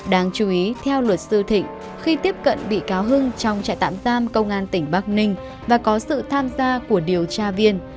đáng chú ý theo luật sư thịnh khi tiếp cận bị cáo hưng trong trại tạm giam công an tỉnh bắc ninh và có sự tham gia của điều tra viên